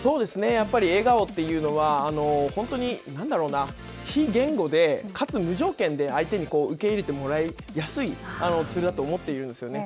やっぱり笑顔というのは本当に何だろうな、非言語で、かつ無条件で相手に受け入れてもらいやすいツールだと思っているんですね。